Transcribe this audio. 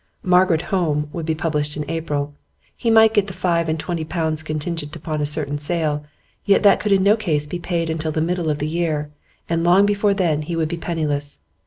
'Margaret Home' would be published in April; he might get the five and twenty pounds contingent upon a certain sale, yet that could in no case be paid until the middle of the year, and long before then he would be penniless.